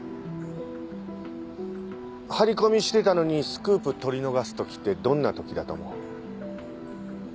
張り込みしてたのにスクープ撮り逃す時ってどんな時だと思う？